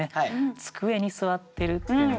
机に座ってるっていうので。